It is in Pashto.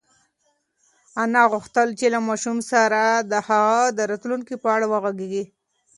انا غوښتل چې له ماشوم سره د هغه د راتلونکي په اړه وغږېږي.